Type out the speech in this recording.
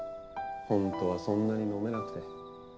ホントはそんなに飲めなくて。